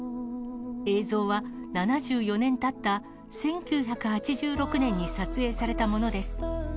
映像は７４年たった１９８６年に撮影されたものです。